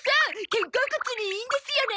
肩甲骨にいいんですよね！